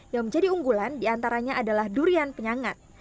yang menjadi unggulan diantaranya adalah durian penyangat